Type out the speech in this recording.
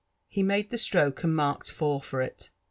*^ He made the stroke, and marked four for it.